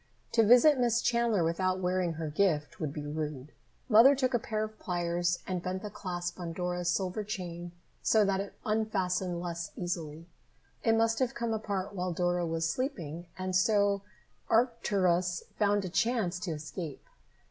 To visit Miss Chandler without wearing her gift would be rude. Mother took a pair of pliers and bent the clasp on Dora's silver chain so that it unfastened less easily. It must have come apart while Dora was sleeping, and so Arcturus found a chance to escape.